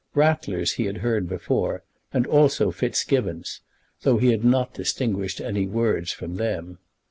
Ratler's he had heard before, and also Fitzgibbon's, though he had not distinguished any words from them.